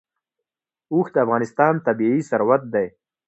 اوښ د افغانستان طبعي ثروت دی.